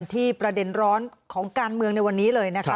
ประเด็นร้อนของการเมืองในวันนี้เลยนะคะ